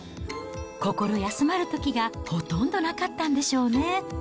心休まるときがほとんどなかったんでしょうね。